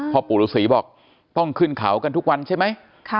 พ่อปู่ฤษีบอกต้องขึ้นเขากันทุกวันใช่ไหม